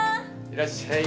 いらっしゃい。